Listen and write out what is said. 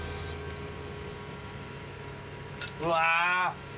うわ！